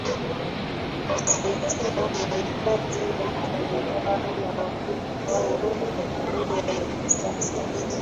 kuwasaidia mahitaji ya kielimu ya watoto wao kwa dunia ya kisasa